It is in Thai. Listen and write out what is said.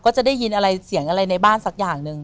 ก็จะได้ยินเสียงอะไรในบ้านสักอย่างนึง